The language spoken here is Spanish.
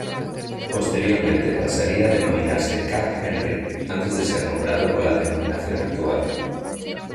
Posteriormente pasaría a denominarse "Cap-Henri", antes de ser nombrado con la denominación actual.